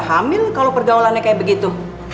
hamil kalau pergaulannya kayak begitu